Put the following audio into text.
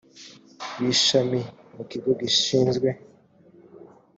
w ishami mu kigo gishinzwe